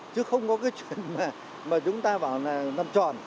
chứ không có cái chuyện mà chúng ta bảo là nằm tròn